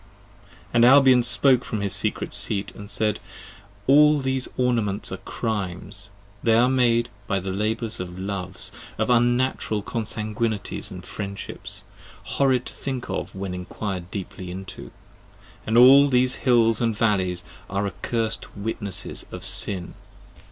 5 And Albion spoke from his secret seat and said: All these ornaments are crimes, they are made by the labours Of loves: of unnatural consanguinities and friendships, Horrid to think of when enquired deeply into: and all These hills & valleys are accursed witnesses of Sin.